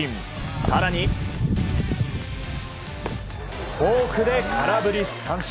更にフォークで空振り三振。